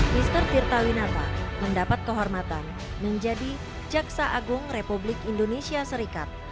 mister tirta winata mendapat kehormatan menjadi jaksa agung republik indonesia serikat